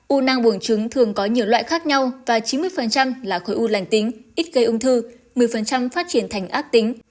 u nãng bổng trứng thường có nhiều loại khác nhau và chín mươi là khối u lành tính ít gây ung thư một mươi phát triển thành ác tính